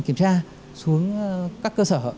kiểm tra xuống các cơ sở